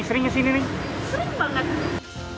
ini sering gak sih ini sering banget